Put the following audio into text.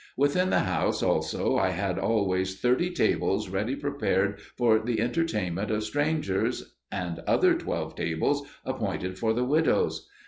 Within the house also I had always thirty tables ready prepared for the entertainment of strangers, and other twelve tables appointed for the widows.